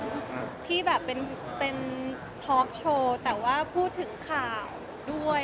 เป็นพี่แบบเป็นเป็นท็อคโชว์แต่ว่าพูดถึงข่าวด้วย